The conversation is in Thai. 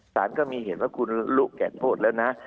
สารก็มีเหตุว่าคุณรู้แก่โทษแล้วนะ